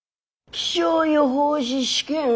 気象予報士試験？